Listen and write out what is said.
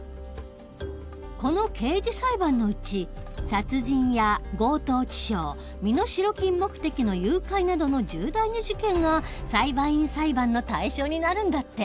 この刑事裁判のうち殺人や強盗致傷身代金目的の誘拐などの重大な事件が裁判員裁判の対象になるんだって。